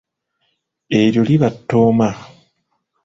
Eryo liba ttooma.